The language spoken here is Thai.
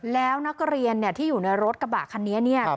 แล้วนักเรียนที่อยู่ในรถกระบะคันนี้เนี่ย